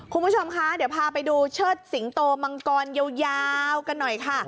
คุณผู้ชมคะเดี๋ยวพาไปดูเชิดสิงโตมังกรยาวกันหน่อยค่ะ